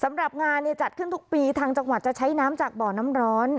สำหรับงานเนี่ยจัดขึ้นทุกปีทางจังหวัดจะใช้น้ำจากบ่อน้ำร้อน